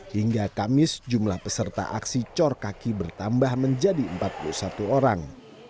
hingga kamis jumlah peserta aksi cor kaki bertambah menjadi empat puluh satu orang